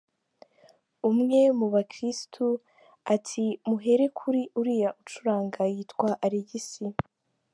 Umwe mu bakiristu ati “Muhere kuri uriya ucuranga yitwa Alegisi.